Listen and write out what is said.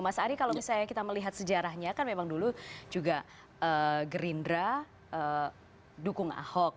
mas ari kalau misalnya kita melihat sejarahnya kan memang dulu juga gerindra dukung ahok